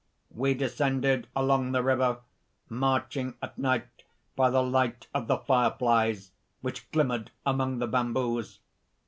"We descended along the river, marching at night by the light of the fire flies, which glimmered among the bamboos.